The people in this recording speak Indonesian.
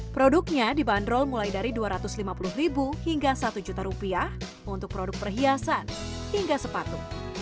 produknya dibanderol mulai dari dua ratus lima puluh ribu hingga satu juta rupiah untuk produk perhiasan hingga sepatu